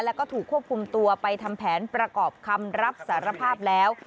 แล้วก็ถูกควบคุมตัวไปทำแผนประกอบคำรับสารภาพแล้ว